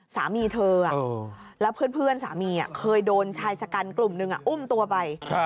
สามีเธอแล้วเพื่อนสามีเคยโดนชายชะกันกลุ่มหนึ่งอุ้มตัวไป